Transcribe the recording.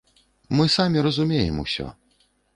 Мы самі разумеем усё.